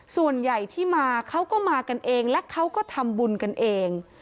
ส่วนใหญ่ที่มาเขาก็มากันเองและเขาก็ทำบุญกันเอง